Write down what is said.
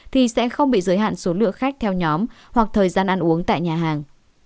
thì sẽ không bị giới hạn số lượng khách theo nhóm hoặc thời gian ăn uống tại nhà hàng